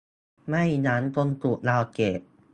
ไม่งั้นคงถูกดาวน์เกรด